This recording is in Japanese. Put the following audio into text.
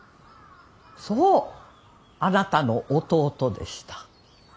そうあなたの弟でした。